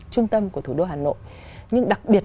trung tâm của thủ đô hà nội nhưng đặc biệt